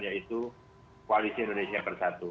yaitu koalisi indonesia persatu